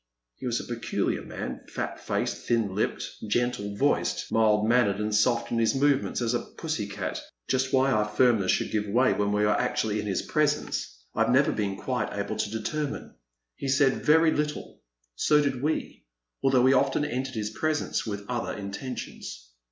He was a peculiar man, fat faced, thin lipped, gentle voiced, mild mannered, and soft in his movements as a pussy cat. Just why our firmness should give way when we were actually in his presence, I have never quite been able to determine. He said very 3o8 A Pleasant Evening. little — so did we, although we often entered his presence with other intentions.